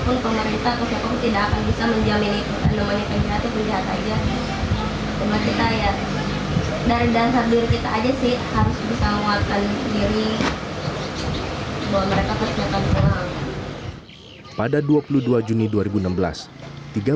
cuma kita ya dari dasar diri kita saja sih harus bisa menguatkan diri bahwa mereka harus datang pulang